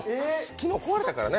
昨日、壊れたからね。